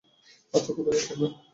আচ্ছা, কোথায় যাচ্ছি আমরা?